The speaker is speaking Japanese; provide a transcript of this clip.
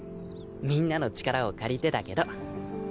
みんなの力を借りてだけど。